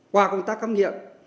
qua công tác khám nghiệm